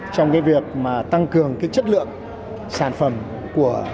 trong việc tăng cường chất lượng sản phẩm của doanh nghiệp việt nam